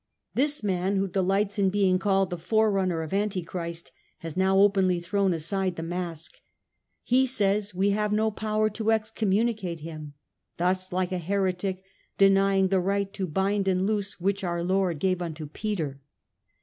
1 ... This man who delights in being called the forerunner of Antichrist, has now openly thrown aside the mask ; he says we have no power to exco mmunicate him ; thus, like a heretic, denying the right to bind and loose, which our Lord gave unto Peter.